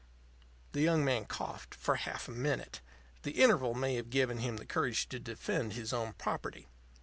The young man coughed for half a minute. The interval may have given him the courage to defend his own property.